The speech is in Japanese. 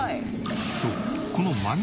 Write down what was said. そう。